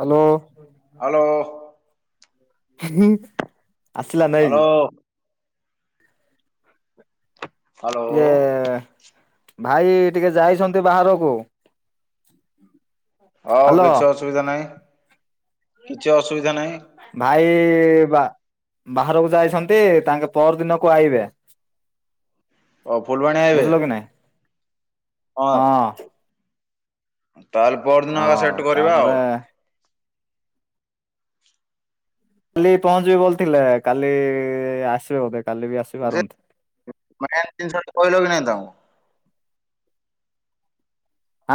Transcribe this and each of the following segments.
Hello hello ହଁ ଆସିଲା ନାଇଁ କି ହ୍ୟାଲୋ ହ୍ୟାଲୋ ଇଏ ଭାଇ ଟିକେ ଯାଇଛନ୍ତି ବାହାରକୁ। ଆଉ ହ୍ୟାଲୋ କିଛି ଅସୁବିଧା ନାହିଁ। କିଛି ଅସୁବିଧା ନାହିଁ ଭାଇ ବା ବାହାର ଯାଇଛନ୍ତି ତାଙ୍କେ ପଅରଦିନ। କୁ ଆଇବେ ହ ଫୁଲବାଣୀ ଆଇବେ ବୁଝିଲ କି ନାଇଁ ହଁ ତାହେଲେ ପଅର ଦିନ ହେ ଆଉ ସେଟ୍ କରିବା ଆଉ ତାପରେ କାଲି ପହଞ୍ଚିବେ ବୋଲି ଥିଲା କାଲି ଆସିବେ ବୋଧେ କାଲି ବି ଯେ ଆସିପାରନ୍ତି ମାନେ ଜିନିଷ ଟା କଇଲ କି ନାଇଥ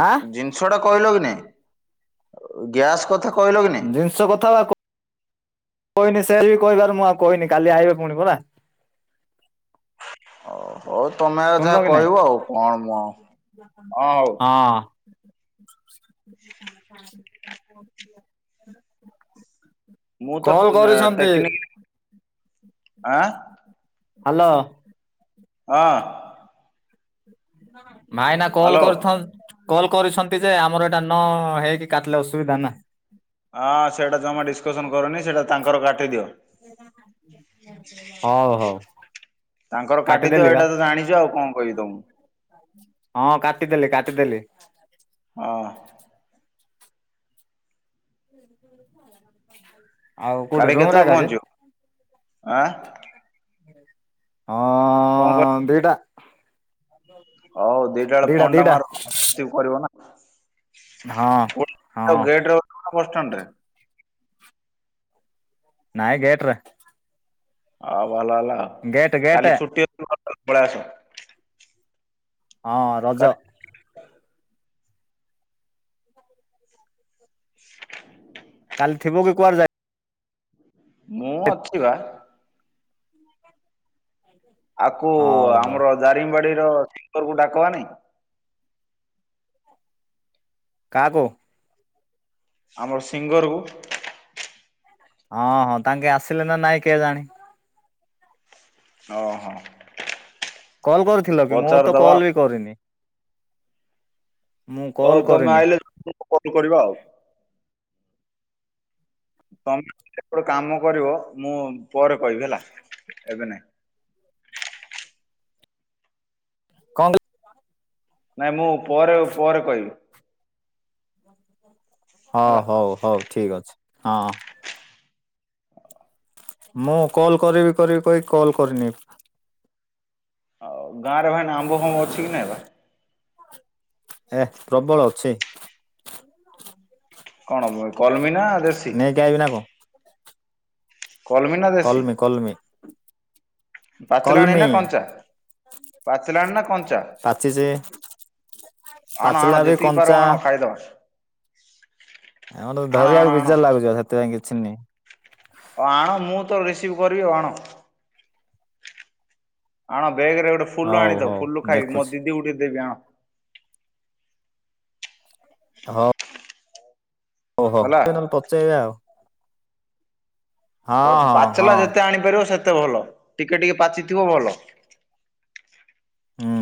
ଆଁ ଜିନିଷ ଟା କହି ଲ କି ନାଇଁ ଗ୍ୟାସ୍ କଥା। କହିଲ କି ନାଇଁ ଜିନିଷ କଥା କହିଲ କହିନି ସେ ବି କହିବାର ମୁଁ ଆଉ କହିନି କାଲି ଆଇିବ ପୁଣି ପରା ହଉ ହଉ ତମେ ଆଉ ଯାହା ଶୁଣିଲ କି ନାଇଁ କହିବ ଆଉ କଣ ମୁ ଆଉ ହଁ ହଉ ହଁ ମୁଁ ତ କଲ୍ କରିଛନ୍ତି ଟେକ୍ନିକ ଆଁ ହଲୋ ହଁ ହଁ ଭାଇନା କଲ୍ ହ୍ୟାଲୋ କରିଥାନ୍ କଲ କରିଛନ୍ତି ଯେ ଆମର ଏଇଟା ନ ହେଇକି କାଟିଲେ ଅସୁବିଧା ନା ହଁ ସେଟା ଜମା ଡିସକସନ କରୁନି ସେଇଟା ତାଙ୍କର କାଟିଦିଅ ହଉ ହଉ ତାଙ୍କର କାଟିଦିଅ କାଟିଦେଲି ବା ଏଇଟା ତ ଜାଣିଛ ଆଉ କଣ କହିବି ତମ ହଁ କାଟିଦେଲି କାଟିଦେଲି ହଁ ଆଉ କୋଉଠି କାଲି ରୁମ୍ ରେ କେତେବେଳେ ଏକା କି? ପହଞ୍ଚିବ ଆଁ ହୁଁ ହଁ କଣ କର ଦିଟା ହଉ ଦିଟା ବେଳେ ଫୋନ୍ ଟାମର କରିବ ନା ହଁ ହଁ ଗଟ କୋଷ୍ଟଣ୍ଡ ନଁଗଟ୍ର ହଉ ହେଲା ଗେଟ୍ କାଲି ଛୁଟି ବଳ ଆସୁ ହଁ ରଜ [inaudible] କାଲି ଥିବକ କୁାର ଯା ମୁଁ ଅଛି ବା ଆକୁ ହଉ ହଉ ଆମର ଦାରିଙ୍ଗବାଡି ର ରକୁ ଡାକବା ନାଇଁ କାକୋ ଆମର ସିଙ୍ଗର କ ହଁ ହଁ ତାଙ୍କେ ଆସିଲେ ନା ନାଇଁ କିଏ ଜାଣି ଓ ହୋ କଲ କରିଥିଲ କି ମୁଁ ତ କଲ୍ ବି କରିନି ମୁଁ କଲ୍ ହଉ ତମେ କରିନି ଆଇିଲ କଲ କରିବା ଆଉ ତମେ ଯେପଟୁ କାମ କରିବ ମୁଁ ପରେ କହିବି ହେଲା ଏବେ ନାଇଁ କଣନ୍ତୁ ନାଇଁ ମୁଁ ପରେ ପରେ କହିବି। ହଁ ହେଲା। ହଉ ହଉ ଠିକ ଅଛି। ହଁ ମୁଁ କଲ କରିବି କରିବି କହିକି କଲ କରିନି। ଆଉ ଗାଁରେ ଭାଇନା ଆମ୍ବ ଫାମ୍ବ ଅଛି କି ନାଇଁ ବା। ଏ ପ୍ରବଳ ଅଛି। କଣହବ କରମିନା ନେଇକି ଆଇବିନା କ କଲମି ନା ଦେଶୀ। କଲମି ପାଚିଲାଣି କଲମି ନା କଞ୍ଚା। ପାଚିଲାଣି ନା କ ପାଚିଚି ଆଣ ଆଣ ପାଚିଲା ବି ଯେତିକି ପାରିବ କଞ୍ଚା। ଆଣ ଖାଇଦବା [inaudible] ଆମର ତ ଆଣ ଆଣ ଧରିବାକୁ ଆଣ। ବିଜାର ଲାଗୁଛ ସେଥିପାଇଁ କି ଚିନି ଆଣ ମୁଁ ତ ରିସିଭ କରିବି ଆଉ ଆଣ। ଆଣ। ବେଗରେ ଗୋଟେ ଫୁଲ ହଉ ଆଣିଥିବୁ ହଉ ଫୁଲ ଖାଇବ ମୋ ଦେଖୁଛି ଦିଦି ଗୋଟେ ଦେବି ଆଣ। ହଁ ଓହୋ ହେଲା। ସେ ନହେଲେ ପଚେଇବା ଆଉ। ହଁ ହଁ ପାଚିଲା ହଁ ଯେତେ ଆଣିପାରିବ ସେତେ ତେ ଭଲ ଟିକେ ଟିକେ ପାଚିଥିବ ଭଲ। ହୁଁ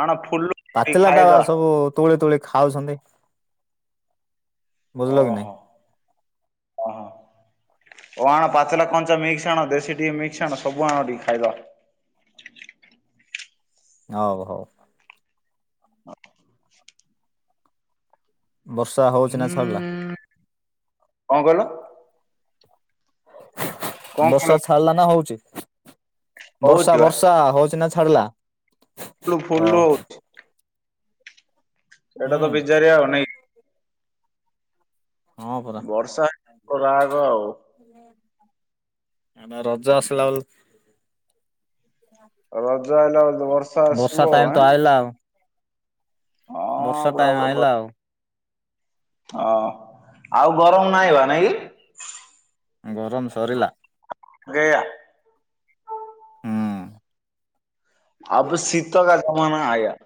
ଆଣ ଫୁଲ ପାଚିଲା ଟା ବା ଖାଇଦବା ସବୁ ତୋଳି ତୋଳି ଖା ଖାଉଛନ୍ତି। ବୁଝିଲ କି ନାଇଁ? ଓହୋ ଓହୋ ଓ ଆଣ ପାଚଲା କଞ୍ଚା ମିକ୍ସ ଆଣ ଦେଶୀ ଟିକେ ମିକ୍ସ ଆଣ ସବୁ ଆଣ ଟିକେ ଖାଇବା। ହଉ ହଉ। ହଁ ବର୍ଷା ହଉଛି ନା ଛାଡିଲା? ହୁଁ କଣ କହିଲ? କଣ କହିଲ ବର୍ଷା ଛାଡିଲା ନା ହଉଛି। ବର୍ଷା ବର୍ଷା ହଉଛିିନା ଛାଡିଲା? ଓ ଖୋଲ ହୁଁ ସେଇଟା ତ ବିଜାରିଆ ଆଉ ନାଇଁ କି ହଁ ପରା ବର୍ଷା ରାଗ ଆଉ- ଆ ରଜା ଆସିଲ ବଲ ରଜ ଆଇଲା ବୋଲି ତ ବର୍ଷା ଆସିବ ଟାଇମ ଆଁ ତ ଆଇଲା ଆଉ ବର୍ଷା ଟାଇମ ଆଣିଲା ଆଉ। ହ ଆଉ ଗରମ ନାଇଁ ବା ନାଇଁ କି? ଗରମ ସରିଲା- ଗା ହଁ ଆବ ଶୀତକାଲି- ନା ଆ-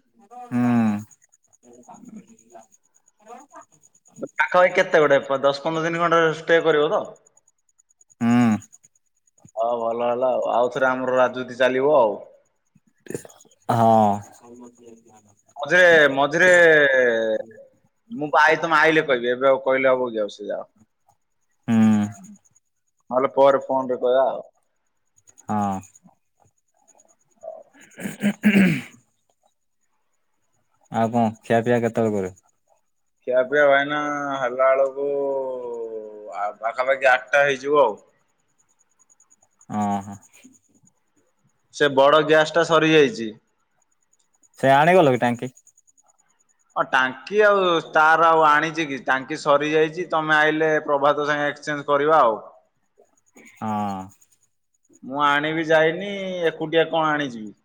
ହୁଁ ପାଖାପାଖି କେତେ ଗୋଡେ ଦଶ ପନ୍ଦର ତିନି ଘଣ୍ଟା ଷ୍ଟେ କରିବ ତ- ହୁଁ ହଁ ଭଲ ହେଲା ଆଉ ଆଉ ଥରେ ଆମର ରାଜନୀତି ଚାଲିବ ଆଉ- ହଁ- ମଝିରେ ମଝିରେ ମୁଁ ଆଇ ତମେ ଆଇଲେ କହିବି- ବେଉ କୋଇଲେ ଆବଉ ଯାଉସ ହୁଁ। ଯାହା- ନଲା ପରେ ଫନରେ କା- ହଁ ହଉ- [inaudible] ଆଉ କଣ ଖିଆ ପିଇଆ କେତେବେଳ କରରେ- ଖିଆପିଆ ଭଏନା ହେଲା ବେଳକୁ ପାଖାପାଖି ଆଠଟା ହେଇଯିବ ଆଉ- ହ ହ- ସେ ବଡ ଗ୍ୟାସ ଟା ସରି ଯାଇଛି- ସେ ଆଣିଗଲ କି ଟାଙ୍କି- ଓ ଟାଙ୍କ- କି ଆଉ ତାର ଆଉ ଆଣିଛି କି- ଟାଙ୍କି ସରିଯାଇଛି ତମେ ଆଇଲେ ପ୍ରଭାତ ସାଙ୍ଗେ ଏକ୍ସଚେଞ୍ଜ କରିବା ଆଉ- ହଁ- ମୁଁ ଆଣିବି ଯାଇନି ଏକୁଟିଆ କଣ ଆଣିଯିବି-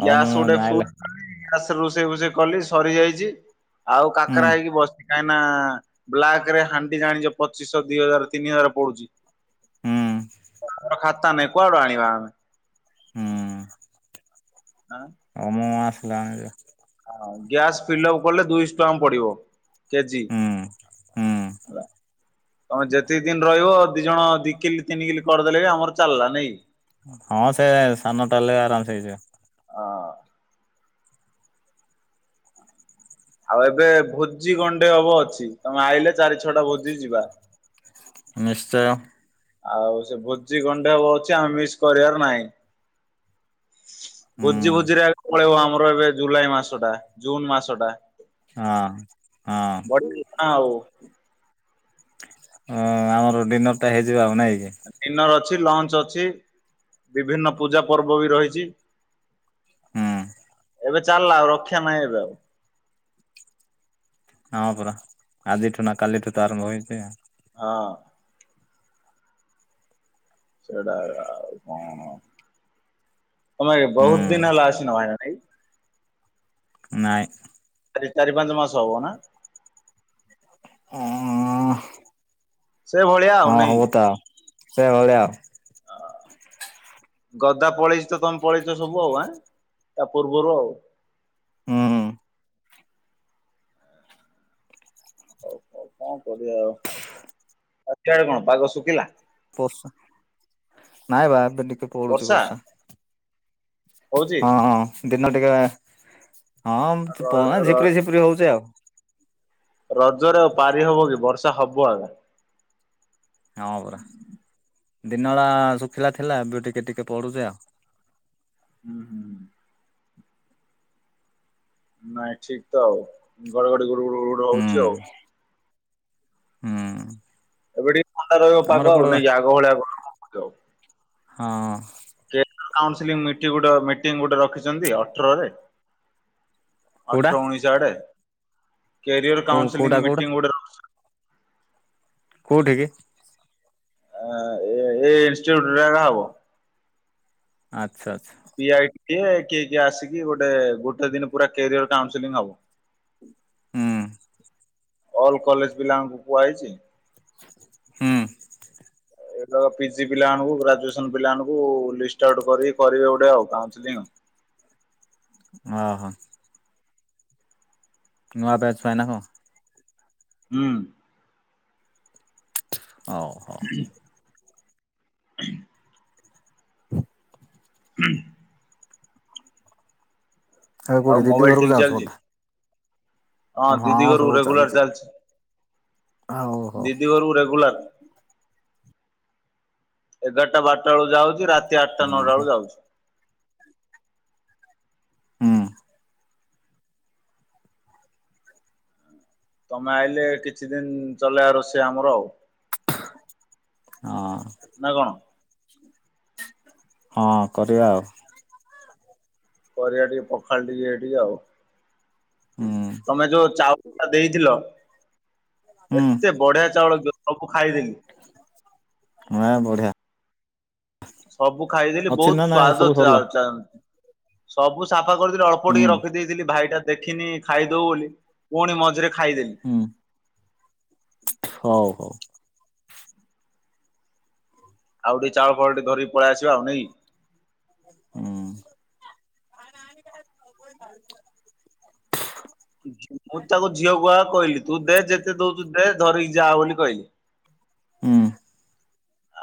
ହଉ ଗ୍ୟାସ ଉଡେ ମୁଁ ଆଇଲେ ଫୁଲ- ସ ରୋଷେଇ ଭୋଷେଇ କଲି ସରିଯାଇଛି- ଆଉ ହୁଁ କାକରା ହେଇକି ବସି- କାହିଁ ନା ବ୍ଲାକ ରେ ହାଣ୍ଡି ଜାଣିଛ ପଚିଶ ଦି ହଜାର ତିନି ହଜାର ପଡୁଛି- ହୁଁ- କଥା ନାଇଁ କୁଆଡୁ ଆଣିବା ଆମେ- ହୁଁ- ହଁ- ଅ ମୁ ଆସିଲାଣି- ହଁ ଗ୍ୟାସ ଫିଲପ କଲେ ଦୁଇଶ ଟା ପଡିବ- କେଜି ହୁଁ ହୁଁ । ତମେ ଯେତିକି ଦିନ ରହିବ ଦି ଜଣ ଦି କିଲି ତିନି କିଲି କରିଦେଲେ ବି ଆମର ଚାଲିଲା ନାଇଁ। ହଁ ସେ ସାନ ଟାଲେ ଆରାମସେ ହେଇଯିବ। ହଁ ଆଉ ଏବେ ଭୋଜି ଗଣ୍ଡେ ହବ ଅଛି ତମେ ଆଇଲେ ଚାରି ଛଅଟା ଭୋଜି ଯିବା। ନିଶ୍ଚୟ। ଆଉ ସେ ଭୋଜି ଗଣ୍ଡେ ହବ ଅଛି ଆମେ ମିସ୍ କରିବାର ନାହିଁ। ଭୋଜି ଭୋଜିରେ ଆଗ ପଳେଇବ ଆମ ଆମର ଏବେ ଜୁଲାଇ ମାସଟା ଜୁନ୍ ମାସଟା ହଁ ହଁ ବଢ଼ି ଆ ଉ ହଁ ଆମର ଡିନର ଟା ହେଇଯିବ ଆ ଡିନର ଅଛି, ଲଞ୍ଚ ଅଛି, ବିଭିନ୍ନ ପୂଜା ପର୍ବ ବି ରହିଛି। ହୁଁ। ଏବେ ଚାଲିଲା ଆଉ ରକ୍ଷା ନାହିଁ ଏବେ ଆଉ। ହଁ ପରା ଆଜିଠୁ ନା କାଲିଠୁ ତ ଆରମ୍ଭ ହେଇଛି ଆ । ହଁ। ସେଇଟା ଆ [inaudible] ତମେ ବହୁତ ଦିନ ହୁଁ ହେଲା ଆସିନ [unintelligible] ନାଇଁ ଚାରି ଚାରି ପାଞ୍ଚ ମାସ ହବ ନା? ହଁ ଅ-ଅ-ଅ ସେ ଭଳିଆ ଆଉ ନାଇ। ସେ ଭଳିଆ। ଗଦା ପଳେଇଛି ତ ତମେ ପଳେଇଛ ସବୁ ଆଉ ଆଁ, ତା ପୂର୍ବରୁ ଆଉ । ହୁଁ। ହଉ ହଉ କଣ କରିବା ଆଉ। ଛତିଆର କଣ ପାଗ ଶୁଖିଲା? ବର୍ଷା ନାଇଁ ବା ଏବେ ଟିକେ ପଡୁଛି ବର୍ଷା। ହଉଛି ହଁ ହଁ। ଏଇନା ଟିକେ ହଁ ର ପହ ର ଝିପିରି ଝିପିରି ହଉଚି ଆଉ । ରଜରେ ଆଉ ପାରି ହବ କି ବର୍ଷା ହବ ଆଗା। ହଁ ପରା ଦିନବେଳା ଶୁଖିଲା ଥିଲା। ଏବେ ଟିକେ ଟିକେ ପଡୁଛି ଆଉ । ହୁଁ ହୁଁ ହୁଁ । ନାଇଁ ଠିକ ତ ଘଡଘଡି ଘୁଡ଼ୁ ଘୁଡୁ ଘୁଡୁ ହୁଁ ହଉଛି ଆଉ । ହୁଁ। ଏବେ ଟିକେ ଥଣ୍ଡା ରହିବ ଆମର ପାଗ ଏପଟେ ଆଉ ନାଇଁ କି ଆଗ ଭଳିଆ ଆଉ ଗରମ ହବକି ଆଉ। ହଁ। କାଉସେଲିଙ୍ଗ ମିଟିଂ ଗୋଟେ ମିଟିଂ ଗୋଟେ ରଖିଛନ୍ତି ଅଠରରେ। କୋଉଟା ଅଠର ଉଣେଇଶ ଆଡେ କ୍ୟାରିୟର କୋଉ କୋଉଟା କାଉନସେଲିଂ କୋଉଟା ମିଟିଂ ଗୋଟେ ରହୁ କୋଉଠି କି? ଆ ଏ ଇନ୍ଷ୍ଟିଟ୍ୟୁଟା ରେ ହବ ଆଚ୍ଛା ଆଛା ପି ଆଇ କିଏ କିଏ କିଏ ଆସିକି ଗୋଟେ ଗୋଟେ ଦିନ ପୁରା କ୍ୟାରିଅର କାଉଁସେଲିଙ୍ଗ ହବ ହୁଁ ଅଲ କଲେଜ ପିଲାମାନକୁ କୁହାଯାଇଛି ହୁଁ ପିଜି ପିଲାମାନଙ୍କୁ ଗ୍ରାଜୁଏସନ ପିଲାମାନଙ୍କୁ ଲିଷ୍ଟ ଆଉଟ କରି କରିବେ ଗୋଟେ ଆଉ କାଉଁସେଲିଙ୍ଗ ଆଉ ଓ ହୋ ନୂଆ ବ୍ୟାଚ ପାଇଁ ନା କଣ ହୁଁ ହଉ ହଉ ହ ହୁଁ ଆଉ କୋଉଠି ଦିଦି ମୋବାଇଲ ଠିକ ଘରକୁ ଚାଲିଛି ଯାଉଛବୋଧେ ହଁ ଦିଦି ଘରୁ ରେଗୁଲାର ଚାଲିଛି ଆଉ ହଉ ଦିଦି ଘରକୁ ରେଗୁଲାର ଏଗାରଟା ବାରଟା ବଳୁ ଯାଉଛି ରାତି ତି ଆଠଟା ହୁଁ ନଅଟା ଅଳକୁ ଯାଉଛୁ ହୁଁ ତମେ ଆଇଲେ କିଛି ଦିନ ଚଲେଇଆ ରୋଷେଇ ଆମର ଆଉ ହଁ ନା କଣ? ହଁ କରିବା ଆଉ କରିବା ଟିକେ ପଖାଳ ଟିକେ ଏଇ ଟିକେ ଆଉ ହୁଁ ତମେ ଯୋ ଚାଓ ଳ ଦେଇଥିଲ ହୁଁ ଏତେ ବଢିଆ ଚାଉଳ ସବୁ ଖାଇଦେଲିି ନା ବଢିଆ ସବୁ ଖାଇଦେଲି ଅଛି ବହୁତ ନା ନାଇଁ ସ୍ୱାଦ ସବୁ ଥିଲା ସରିଲା ଅ- ଚା ସବୁ ସାଫ୍ କରିଦେଲି ଅଳ୍ପ ହୁଁ ଟିକେ ରଖିଦେଇଥିଲି ଭାଇଟା ଦେଖିନି ଖାଇଦଉ ବୋଲି ପୁଣି ମଝିରେ ଖାଇଦେଲି ହୁଁ ହଉ ହଉ ଆଉ ଟିକେ ଚାଉଳ ଫାଉଳ ଟିକେ ଧରିକି ପଳେଇ ଆସିବା ଆଉ ନାଇ। ହୁଁ। ମୁଁ ତାକୁ ଝିଅ କୁହାକୁ କହିଲି ତୁ ଦେ ଯେତେ ଦଉଛୁ ଦେ ଧରିକି ଯା ବୋଲି କହିଲି। ହୁଁ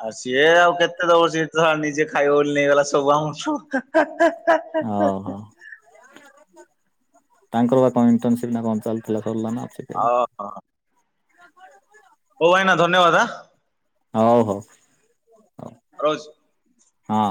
ଆଉ ସିଏ ଆଉ କେତେ ଦବ ସିଏ। ନିଜେ ଖାଇବ ବ ବୋଲି ନେଇଗଲା ସବୁ ଆମ ସବୁ। ହଉ [unintelligible] ହଉ ତାଙ୍କର ବା କଣ ଇଣ୍ଟର୍ନସିପ ନା କଣ ଚାଲିଥିଲା। ସରିଲାନା ଅଛି। ଓହୋ [unintelligible] ହଉ ଭାଇନା ଧନ୍ୟବାଦ ଆ। ହଉ ହଉ ହଉ। ରୋଜ। ହଁ।